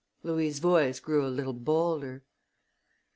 Louis' voice grew a little bolder.